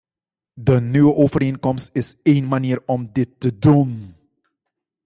De nieuwe overeenkomst is één manier om dit te doen.